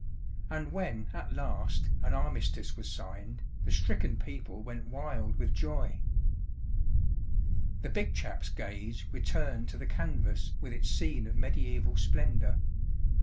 And when at last an armistice was signed, the stricken people went wild with joy." The Big Chap's gaze returned to the canvas with its scene of mediaeval splendour.